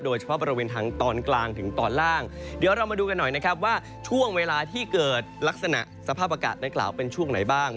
โดยเฉพาะบริเวณทางตอนกลางถึงตอนล่างเดี๋ยวเรามาดูกันหน่อยนะครับว่าช่วงเวลาที่เกิดลักษณะสภาพอากาศในกล่าวเป็นช่วงไหนบ้าง